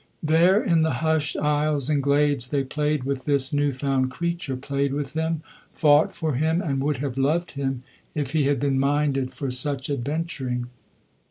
There in the hushed aisles and glades they played with this new found creature, played with him, fought for him, and would have loved him if he had been minded for such adventuring.